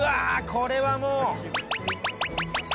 これはもう。